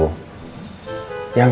kan harus masak dulu